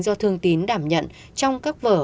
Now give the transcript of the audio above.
do thương tín đảm nhận trong các vở